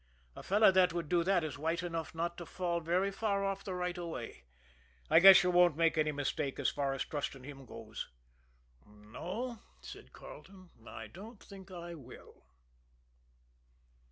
A fellow that would do that is white enough not to fall very far off the right of way. I guess you won't make any mistake as far as trusting him goes." "No," said Carleton, "I don't think I will."